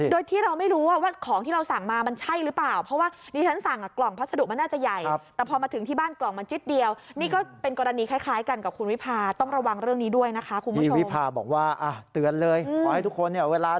โดยที่เราไม่รู้ว่าของที่เราสั่งมามันใช่หรือเปล่า